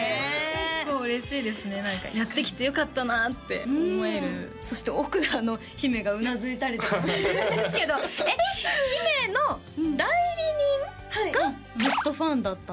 結構嬉しいですねやってきてよかったなって思えるそして奥で姫がうなずいたりとかしてるんですけど姫の代理人がずっとファンだったの？